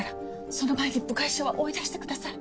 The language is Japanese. その前に部外者は追い出してください。